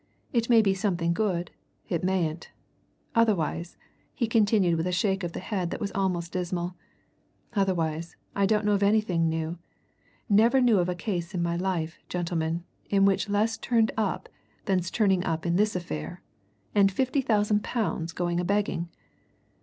It may be something good; it mayn't. Otherwise," he concluded with a shake of the head that was almost dismal, "otherwise, I don't know of anything new. Never knew of a case in my life, gentlemen, in which less turned up than's turning up in this affair! And fifty thousand pounds going a begging!"